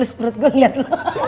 terus perut gua ngeliat lo